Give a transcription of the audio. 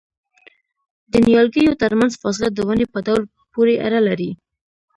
د نیالګیو ترمنځ فاصله د ونې په ډول پورې اړه لري؟